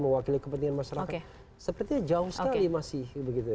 mewakili kepentingan masyarakat sepertinya jauh sekali masih begitu